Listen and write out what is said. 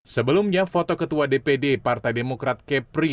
sebelumnya foto ketua dpd partai demokrat kepri